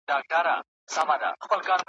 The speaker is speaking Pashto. پل مي له باده سره ځي نن تر کاروانه نه ځي `